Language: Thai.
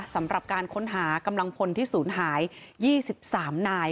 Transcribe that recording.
สำหรับการค้นหากำลังพลที่ศูนย์หาย๒๓นาย